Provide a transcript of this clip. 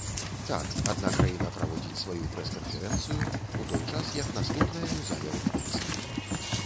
Так, адна краіна праводзіць сваю прэс-канферэнцыю, у той час як наступная ў зале рэпетыцыі.